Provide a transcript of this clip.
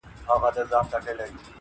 طبیب وکتل چي ښځه نابینا ده -